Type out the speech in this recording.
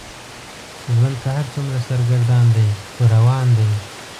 ژوند که هر څومره سرګردان دی خو روان دی.